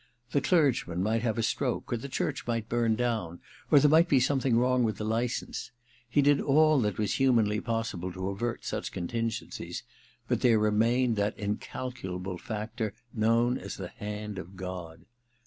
The clergyman might have a stroke, or the church might burn down, or there might be something wrong with the license. He did all that was humanly possible to avert such contingencies, but there VI THE MISSION OF JANE 193 remained that incalculable factor known as the hand of God.